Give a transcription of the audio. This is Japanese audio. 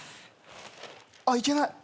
あっいけない！